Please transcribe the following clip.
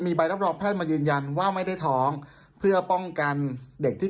ใบรับรองแพทย์มายืนยันว่าไม่ได้ท้องเพื่อป้องกันเด็กที่